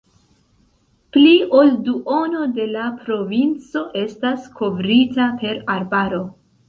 Pli ol duono de la provinco estas kovrita per arbaro.